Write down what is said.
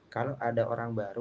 kalau ada orang baru